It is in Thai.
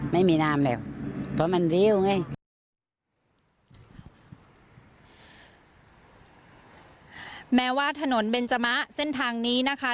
แม้ว่าถนนเบนจมะเส้นทางนี้นะคะ